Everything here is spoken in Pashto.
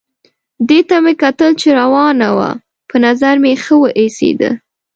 دې ته مې کتل چې روانه وه، په نظر مې ښه وه ایسېده.